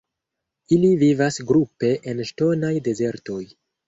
Ili vivas grupe en ŝtonaj dezertoj.